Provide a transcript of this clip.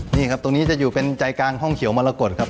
นี่ครับตรงนี้จะอยู่เป็นใจกลางห้องเขียวมรกฏครับ